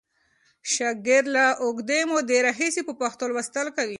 شاګرد له اوږدې مودې راهیسې په پښتو لوستل کوي.